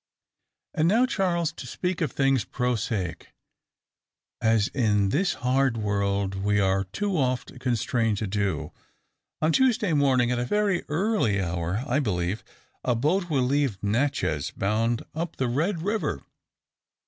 "And now, Charles, to speak of things prosaic, as in this hard world we are too oft constrained to do. On Tuesday morning at a very early hour, I believe a boat will leave Natchez, bound up the Red River.